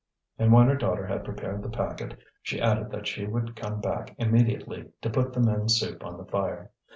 And when her daughter had prepared the packet she added that she would come back immediately to put the men's soup on the fire.